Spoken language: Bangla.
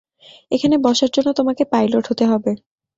এখানে বসার জন্য তোমাকে পাইলট হতে হবে।